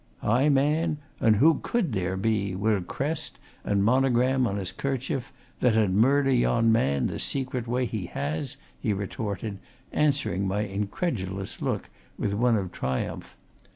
"Aye, man, and who could there be, wi' a crest and monogram on his kerchief, that 'ud murder yon man the secret way he has?" he retorted, answering my incredulous look with one of triumph.